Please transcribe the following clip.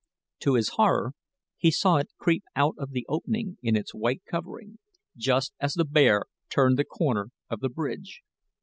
To his horror, he saw it creep out of the opening in its white covering, just as the bear turned the corner of the bridge.